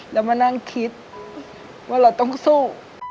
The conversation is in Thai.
แล้วมานั่งคิดว่าเราต้องสู้